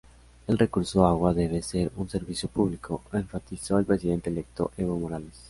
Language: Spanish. El recurso agua debe ser un servicio público", enfatizó el Presidente electo Evo Morales.